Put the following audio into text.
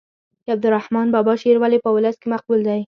د عبدالرحمان بابا شعر ولې په ولس کې مقبول دی.